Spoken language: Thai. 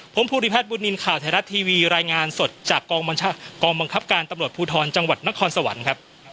ผมภูริพัฒนบุญนินทร์ข่าวไทยรัฐทีวีรายงานสดจากกองบังคับการตำรวจภูทรจังหวัดนครสวรรค์ครับ